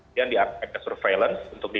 dia diangkat ke surveillance